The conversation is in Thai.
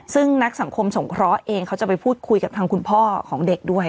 ซึ่งนักสังคมสงเคราะห์เองเขาจะไปพูดคุยกับทางคุณพ่อของเด็กด้วย